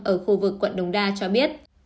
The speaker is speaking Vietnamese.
ở khu vực quận đồng đa cho biết